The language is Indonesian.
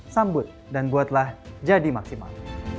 sambut dan buatlah jadi maksimal